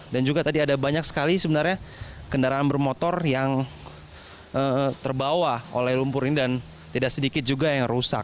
dan juga tadi ada banyak sekali sebenarnya kendaraan bermotor yang terbawa oleh lumpur ini dan tidak sedikit juga yang rusak